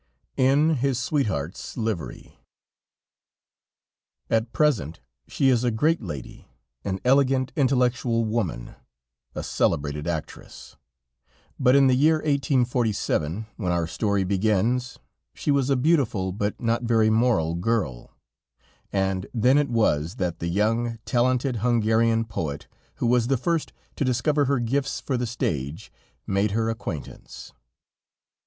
IN HIS SWEETHEART'S LIVERY At present she is a great lady, an elegant, intellectual woman, a celebrated actress; but in the year 1847, when our story begins, she was a beautiful, but not very moral girl, and then it was that the young, talented Hungarian poet, who was the first to discover her gifts for the stage, made her acquaintance.